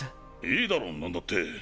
いいだろ何だって。